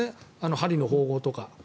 針の縫合とか。